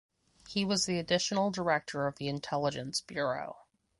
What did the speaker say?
He was the Additional director of the Intelligence Bureau.